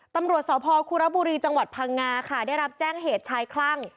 ตำรวจสพคุระบุรีจังหวัดพังงาค่ะได้รับแจ้งเหตุชายคลั่ง